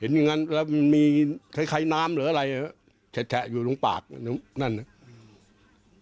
เห็นอย่างงั้นแล้วมันมีไข่ไข่น้ำหรืออะไรแชะแชะอยู่ลงปากนั่นน่ะ